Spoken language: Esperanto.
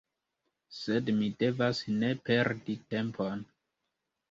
Sed mi devas ne perdi tempon.